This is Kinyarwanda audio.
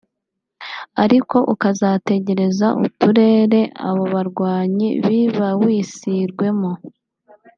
ariko ukazategereza uturere abo barwanyi bibawisirwemo